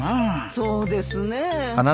そうですねえ。